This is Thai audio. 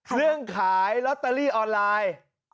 เรื่องขายลอตเตอรี่ออนไลน์